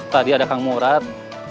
tadi ada kang murad